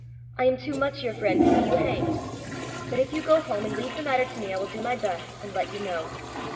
I am too much your friend to see you hanged! But if you go home and leave the matter to me, I will do my best, and let you know.